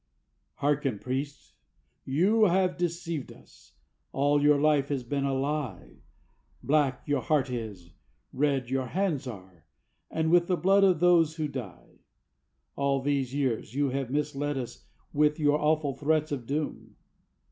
"Hearken, Priest! You have deceived us. All your life has been a lie, Black your heart is, red your hands are, with the blood of those who die. All these years you have misled us with your awful threats of doom.